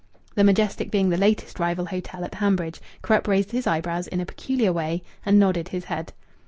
The Majestic being the latest rival hotel at Hanbridge, Krupp raised his eyebrows in a peculiar way and nodded his head.